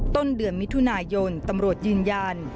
ต้นเดือนมิถุนายนตำรวจยืนยัน